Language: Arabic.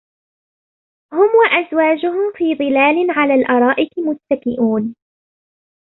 هُمْ وَأَزْوَاجُهُمْ فِي ظِلَالٍ عَلَى الْأَرَائِكِ مُتَّكِئُونَ